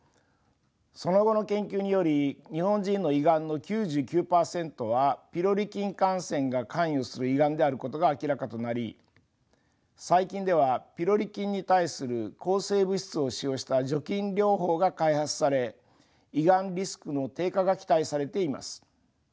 その後の研究により日本人の胃がんの９９％はピロリ菌感染が関与する胃がんであることが明らかとなり最近ではピロリ菌に対する抗生物質を使用した除菌療法が開発され胃がんリスクの低下が期待されています。